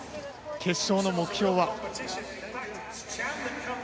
決勝の目標は？